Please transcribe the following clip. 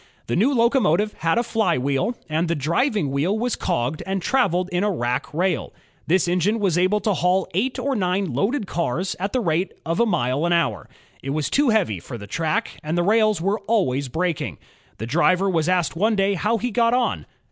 The new locomotive had a flywheel, and the driving wheel was cogged and traveled in a rack rail. This engine was able to haul eight or nine loaded cars at the rate of a mile an hour. It was too heavy for the track, and the rails were always breaking. The driver was asked one day how he got on.